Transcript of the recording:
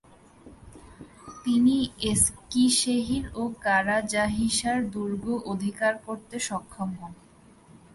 তিনি এসকিশেহির ও কারাজাহিসার দুর্গ অধিকার করতে সক্ষম হন।